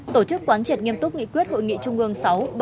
tổ chức quán triệt nghiêm túc nghị quyết hội nghị trung ương sáu bảy tám